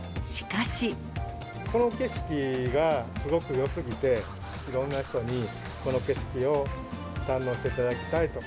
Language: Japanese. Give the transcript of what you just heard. この景色がすごくよすぎて、いろんな人にこの景色を堪能していただきたいと。